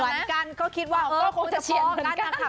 เหมือนกันก็คิดว่าก็คงจะพอเหมือนกันค่ะ